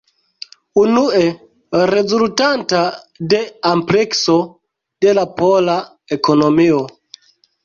Unue: rezultanta de amplekso de la pola ekonomio.